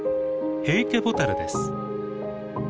ヘイケボタルです。